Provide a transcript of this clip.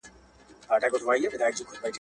د هغه له ستوني دا ږغ پورته نه سي ,